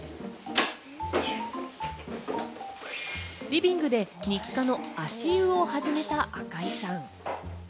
リビングで日課の足湯を始めた赤井さん。